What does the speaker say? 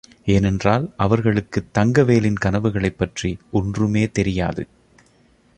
ஏனென்றால், அவர்களுக்குத் தங்கவேலின் கனவுகளைப் பற்றி ஒன்றுமே தெரியாது.